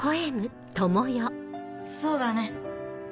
そうだね。